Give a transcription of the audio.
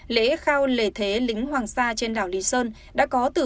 lễ khao lề thế lính hoàng sa trên đảo lý sơn đã có từ